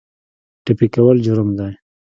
ټپي کول جرم دی.